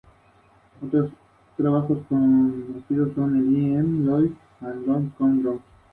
El escritor y teórico Richard Cummings fue miembro de la Facultad de Derecho.